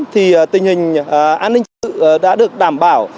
thì tình hình an ninh sự đã được đảm bảo